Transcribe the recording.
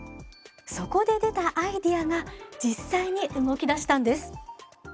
そこで出たアイデアが実際に動き出したんです！